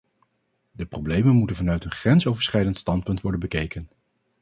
De problemen moeten vanuit een grensoverschrijdend standpunt worden bekeken.